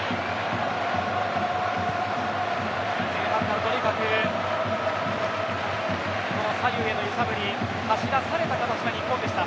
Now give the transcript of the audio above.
前半からとにかく左右への揺さぶり走らされた形の日本でした。